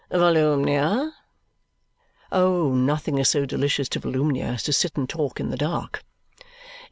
"Volumnia?" Oh! Nothing is so delicious to Volumnia as to sit and talk in the dark.